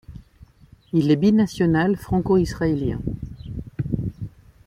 Il est binational franco-israélien.